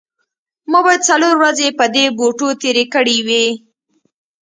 ما باید څلور ورځې په دې بوټو تیرې کړې وي